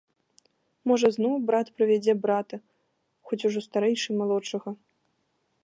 Можа, зноў брат прывядзе брата, хоць ужо старэйшы малодшага.